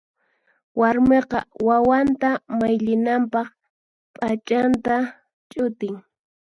Warmiqa wawanta mayllinanpaq p'achanta ch'utin.